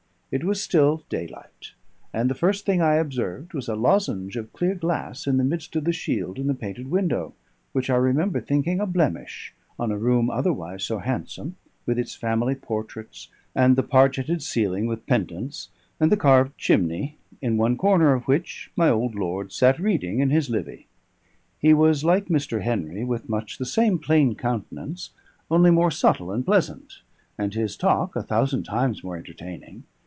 It was still daylight; and the first thing I observed was a lozenge of clear glass in the midst of the shield in the painted window, which I remember thinking a blemish on a room otherwise so handsome, with its family portraits, and the pargeted ceiling with pendants, and the carved chimney, in one corner of which my old lord sat reading in his Livy. He was like Mr. Henry, with much the same plain countenance, only more subtle and pleasant, and his talk a thousand times more entertaining.